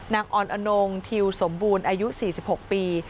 ออนอนงทิวสมบูรณ์อายุ๔๖ปี